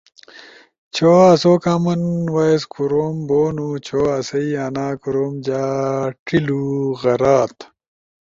چھو اسو کامن وائس کوروم بونو چھو اسائی انا کوروم جا ڇلو غرات